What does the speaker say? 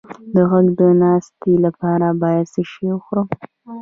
د غږ د ناستې لپاره باید څه شی وخورم؟